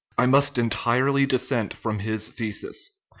I must entirely dissent from his thesis.